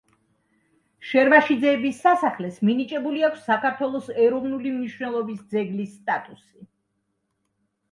შერვაშიძეების სასახლეს მინიჭებული აქვს საქართველოს ეროვნული მნიშვნელობის ძეგლის სტატუსი.